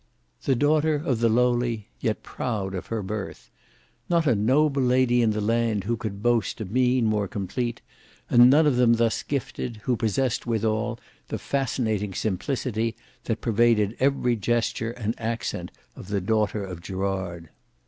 The daughter of the lowly, yet proud of her birth. Not a noble lady in the land who could boast a mien more complete, and none of them thus gifted, who possessed withal the fascinating simplicity that pervaded every gesture and accent of the daughter of Gerard.